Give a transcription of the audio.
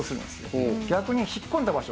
逆に引っ込んだ場所